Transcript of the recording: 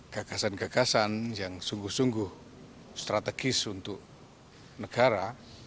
gagasan gagasan yang sungguh sungguh strategis untuk negara